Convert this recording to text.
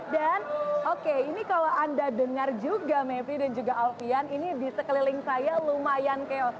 dan oke ini kalau anda dengar juga mepri dan juga alfian ini di sekeliling saya lumayan chaos